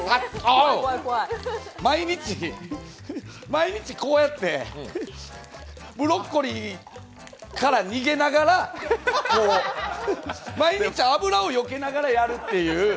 毎日、こうやってブロッコリーから逃げながら毎日油をよけながらやるっていう。